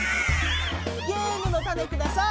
ゲームのタネください！